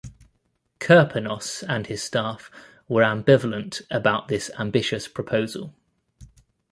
Kirponos, and his staff were ambivalent about this ambitious proposal.